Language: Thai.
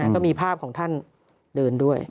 ก็มีภาพของท่านเดินด้วย